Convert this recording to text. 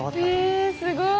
えすごい。